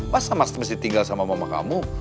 masa mas mesti tinggal sama mamamu